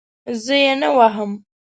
زه یې نه وهم.